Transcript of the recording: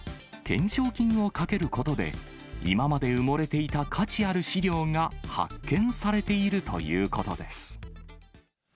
懸賞金を懸けることで、今まで埋もれていた価値ある資料が発見されているということです。